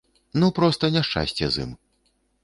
Ну проста няшчасце з ім.